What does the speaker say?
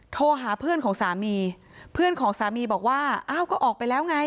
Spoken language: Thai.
โทรหาเพื่อนของสามีเพื่อนของสามีบอกว่าอ้าวก็ออกไปแล้วไง